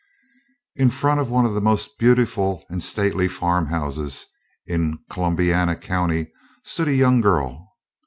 In front of one of the most beautiful and stately farm houses in Columbiana County stood a young girl.